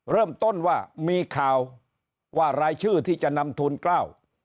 เริ่มต้นว่ามีข่าวว่ารายชื่อที่จะนำทูลเกล้า